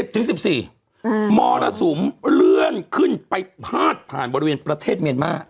๑๐ถึง๑๔มอเสมอเลื่อนขึ้นไปผาดผ่านบริเวณเมรม่า